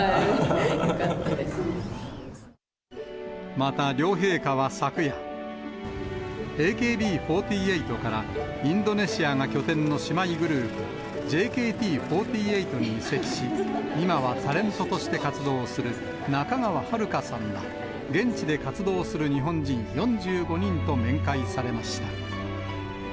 また、両陛下は昨夜、ＡＫＢ４８から、インドネシアが拠点の姉妹グループ、ＪＫＴ４８に移籍し、今はタレントとして活動する仲川遥香さんら、現地で活動する日本人４５人と面会されました。